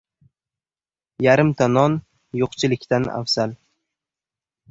• Yarimta non yo‘qchilikdan afzal.